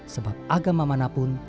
sebab agama manapun